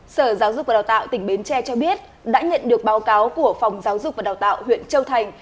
sở giáo dục và đào tạo tỉnh bến tre cho biết đã nhận được báo cáo của phòng giáo dục và đào tạo huyện châu thành